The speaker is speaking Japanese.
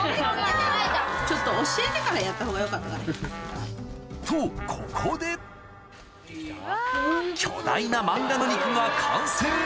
ちょっと教えてからやった方がよかったかね。とここで巨大な漫画の肉が完成